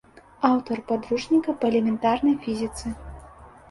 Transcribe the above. Аўтар падручніка па элементарнай фізіцы.